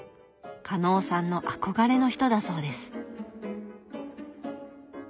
加納さんの憧れの人だそうです。